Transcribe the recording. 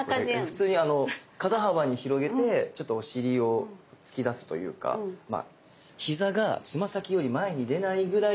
普通に肩幅に広げてちょっとお尻を突き出すというか膝がつま先より前に出ないぐらいちょっと下げて。